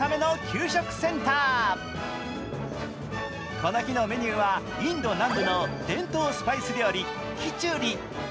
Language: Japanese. この日のメニューはインド南部の伝統スパイス料理キチュリ。